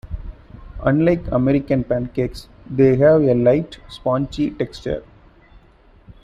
Unlike American pancakes, they have a light, spongy texture.